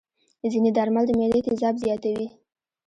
ځینې درمل د معدې تیزاب زیاتوي.